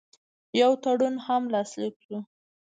یو تړون هم لاسلیک شو.